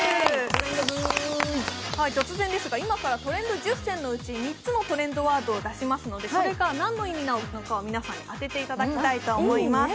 突然ですが、今からトレンド１０選のうち３つのトレンドワードを出しますので、それが何の意味なのかを皆さんに当てていただきたいと思います。